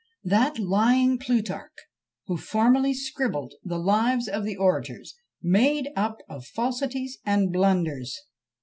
"That lying Plutarch, who formerly scribbled the lives of the orators, made up of falsities and blunders!"